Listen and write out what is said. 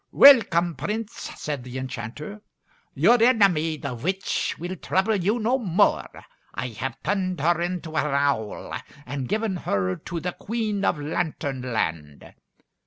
"Welcome, Prince," said the enchanter. "Your enemy, the witch, will trouble you no more. I have turned her into an owl and given her to the Queen of Lantern Land.